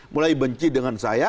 mulai benci dengan saya